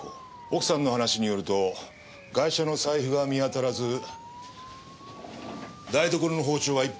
奥さんの話によるとガイシャの財布が見当たらず台所の包丁が１本なくなってる。